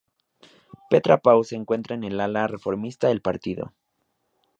Petra Pau se encuentra en el ala reformista del Partido.